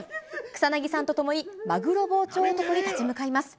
草薙さんと共に、マグロ包丁男に立ち向かいます。